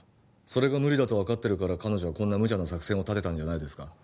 それが無理だと分かってるから彼女はこんなムチャな作戦を立てたんじゃないですか？